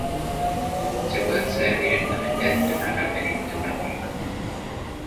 Se puede acceder directamente desde el canal mediante una barca.